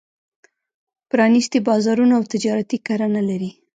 پرانېستي بازارونه او تجارتي کرنه لري.